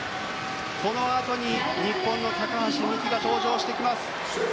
このあとに日本の高橋美紀が登場します。